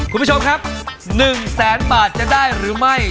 คุณผู้ชมครับ๑แสนบาทจะได้หรือไม่